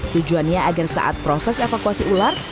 tujuannya agar saat proses evakuasi ular